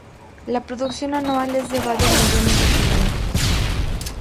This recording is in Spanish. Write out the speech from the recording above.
La producción anual es de varios millones de kilogramos.